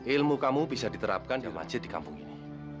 ilmu kamu bisa diterapkan di masjid di kampung ini